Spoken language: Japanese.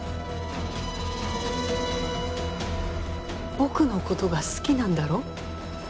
僕のことが好きなんだろ？